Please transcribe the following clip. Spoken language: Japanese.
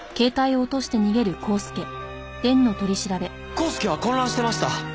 コースケは混乱してました。